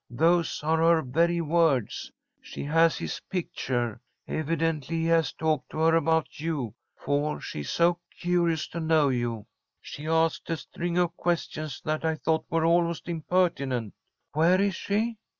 Those are her very words. She has his picture. Evidently he has talked to her about you, for she's so curious to know you. She asked a string of questions that I thought were almost impertinent." "Where is she?"